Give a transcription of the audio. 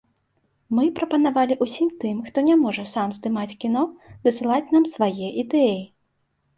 Мы прапанавалі ўсім тым, хто не можа сам здымаць кіно, дасылаць нам свае ідэі.